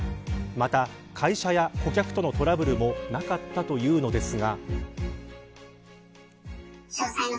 また、会社や顧客とのトラブルもなかったというのですが。